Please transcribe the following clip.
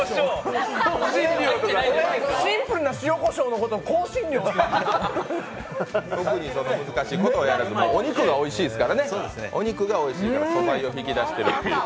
俺、シンプルな塩こしょうのことを香辛料って特に難しいことはやらずにお肉がおいしいですからね、素材を引き出していて。